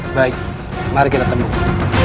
baik mari kita temui